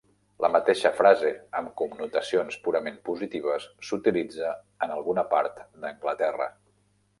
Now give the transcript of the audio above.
La mateixa frase amb connotacions purament positives s'utilitza en alguna part d'Anglaterra.